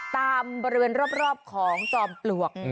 ตามเบิร์นรอบของจอมปลวก